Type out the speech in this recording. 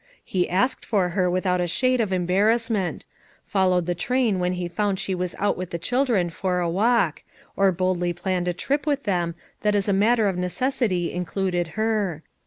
He asked for her without a shade of embarrassment; followed the train when he found she was out with the children for a walk; or boldly planned a trip with them that as a matter of necessity in cluded her.